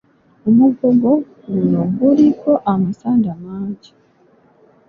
Omugogo guno guliko amasanda mangi.